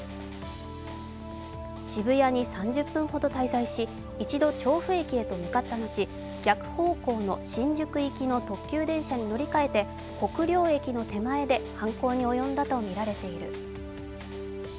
渋谷に３０分ほど滞在し、一度調布駅へと向かった後逆方向の新宿行きの特急電車に乗り換えて国領駅の手前で犯行に及んだとみられている。